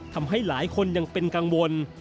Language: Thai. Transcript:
ทำให้หลายคนยังเป็นกังวล